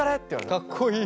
かっこいい。